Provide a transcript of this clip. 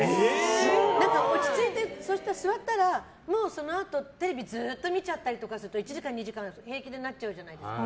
落ち着いて座ったらそのあと、テレビずっと見ちゃったりとかすると１時間２時間平気でなっちゃうじゃないですか。